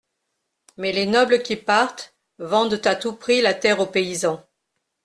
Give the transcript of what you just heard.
Mais les nobles qui partent, vendent à tout prix la terre au paysan.